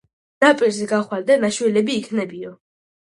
ნაპირზე გახვალ და ნაშველები იქნებიო.